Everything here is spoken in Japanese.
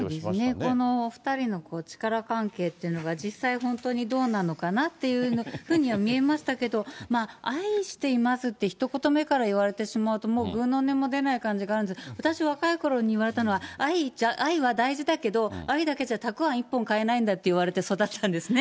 この２人の力関係っていうのが、実際、本当にどうなのかなっていうふうには見えましたけど、愛していますってひと言目から言われてしまうと、もうぐうの音も出ない気がするんですけれども、私は若いころに言われたのは、愛は大事だけど、愛だけじゃたくわん一本じゃ買えないんだって言われて、育ったんですね。